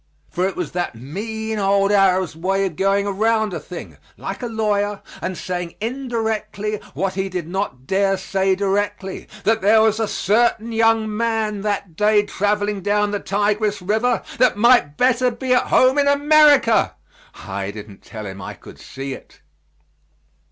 For it was that mean old Arab's way of going around a thing, like a lawyer, and saying indirectly what he did not dare say directly, that there was a certain young man that day traveling down the Tigris River that might better be at home in America. I didn't tell him I could see it.